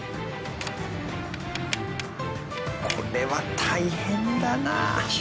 これは大変だな。